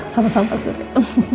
sama sama pak surya